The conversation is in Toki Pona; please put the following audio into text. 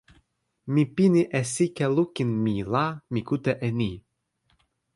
mi pini e sike lukin mi la mi kute e ni.